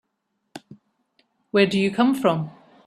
Where do you come from?